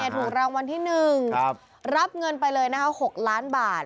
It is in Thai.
ถูกรางวัลที่๑รับเงินไปเลย๖ล้านบาท